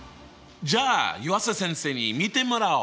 じゃあ湯浅先生に見てもらおう。